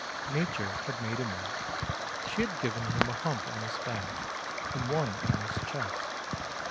Nature had made him one; she had given him a hump on his back and one on his chest.